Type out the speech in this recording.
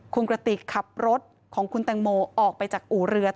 คุณกระติกขับรถของคุณแตงโมออกไปจากอู่เรือน